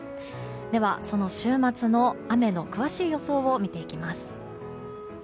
では、その週末の雨の詳しい予想を見ていきます。